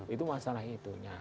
itu masalah itunya